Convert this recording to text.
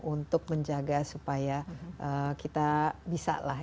untuk menjaga supaya kita bisa lah